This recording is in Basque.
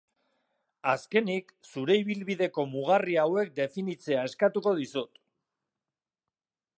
Azkenik, zure ibilbideko mugarri hauek definitzea eskatuko dizut.